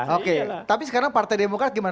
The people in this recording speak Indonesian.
oke tapi sekarang partai demokrat gimana